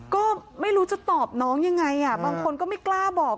ก็ไม่รู้จะตอบน้องยังไงบางคนก็ไม่กล้าบอก